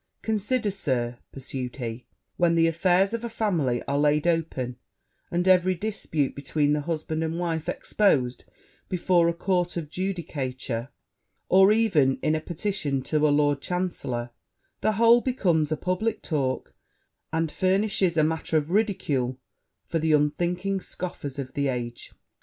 Consider, Sir,' pursued he, 'when the affairs of a family are laid open, and every dispute between the husband and the wife exposed before a court of judicature, or even in a petition to a Lord Chancellor, the whole becomes a publick talk, and furnishes a matter of ridicule for the unthinking scoffers of the age.'